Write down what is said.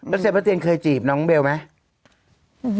แล้วเศรษฐ์ประเทียนเคยจีบน้องเบลไหม